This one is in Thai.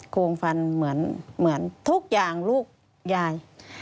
โครงฟันเหมือนทุกอย่างลูกยาย